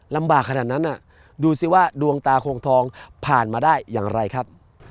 ลำบากขนาดนั้นดูสิว่าดวงตาโคงทองผ่านมาได้อย่างไรครับ